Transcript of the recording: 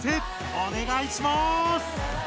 おねがいします！